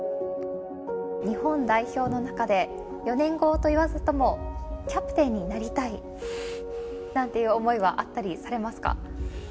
日本代表の中で、４年後といわずとも、キャプテンになりたいなんていう思いはあったりしますか？